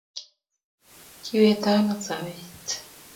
kiweto ano sobet?